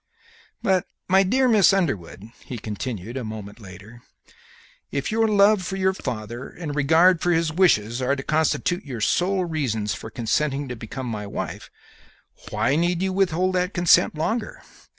"But, my dear Miss Underwood," he continued, a moment later, "if your love for your father and regard for his wishes are to constitute your sole reasons for consenting to become my wife, why need you withhold that consent longer?